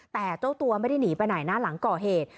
แต่เจ้าตัวไม่ได้หนีไปไหนนะหลังก่อเหตุ